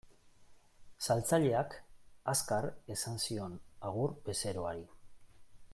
Saltzaileak azkar esan zion agur bezeroari.